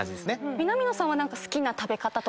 南野さんは好きな食べ方とか。